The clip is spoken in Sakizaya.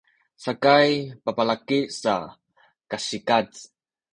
sakay babalaki sa kasikaz